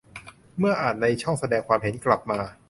เมื่ออ่านในช่องแสดงความเห็นกลับมา